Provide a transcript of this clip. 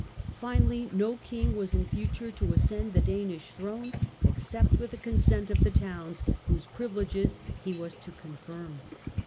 Finally no King was in future to ascend the Danish throne ex cept with the consent of the towns whose privileges he was to confirm.